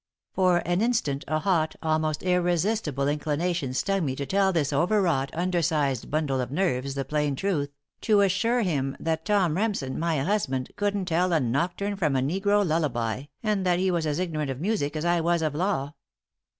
For an instant a hot, almost irresistible inclination stung me to tell this overwrought, undersized bundle of nerves the plain truth, to assure him that Tom Remsen, my husband, couldn't tell a nocturne from a negro lullaby, that he was as ignorant of music as I was of law.